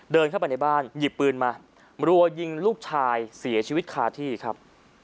เดินเข้าไปในบ้านหยิบปืนมารัวยิงลูกชายเสียชีวิตคาที่ครับ